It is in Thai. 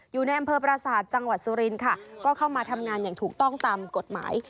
อยู่ในอำเภอประสาทจังหวัดสุรินค่ะก็เข้ามาทำงานอย่างถูกต้องตามกฎหมาย